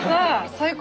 最高。